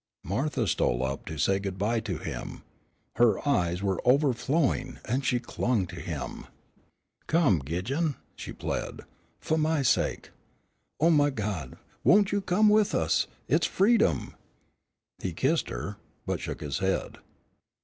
Martha stole up to say good bye to him. Her eyes were overflowing, and she clung to him. "Come, Gidjon," she plead, "fu' my sake. Oh, my God, won't you come with us it's freedom." He kissed her, but shook his head.